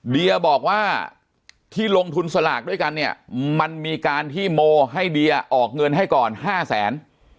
เดียบอกว่าที่ลงทุนสลากด้วยกันเนี่ยมันมีการที่โมให้เดียออกเงินให้ก่อน๕แสน